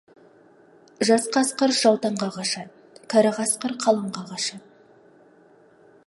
Жас қасқыр жалтаңға қашады, кәрі қасқыр қалыңға қашады.